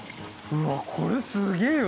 うわっこれすげえわ。